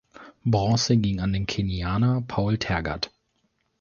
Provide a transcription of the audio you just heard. Bronze ging an den Kenianer Paul Tergat.